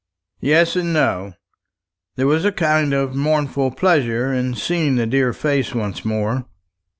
"Yes, and no. There was a kind of mournful pleasure in seeing the dear face once more."